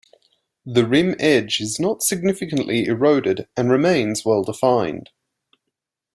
The rim edge is not significantly eroded and remains well-defined.